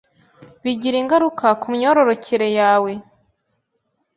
bigira ingaruka ku myororokere yawe